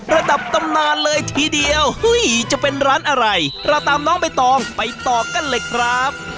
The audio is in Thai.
ระดับตำนานเลยทีเดียวจะเป็นร้านอะไรเราตามน้องใบตองไปต่อกันเลยครับ